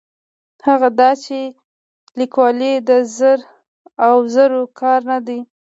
هغه دا چې لیکوالي د زر او زور کار نه دی.